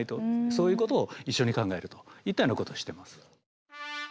そういうことを一緒に考えるといったようなことをしてます。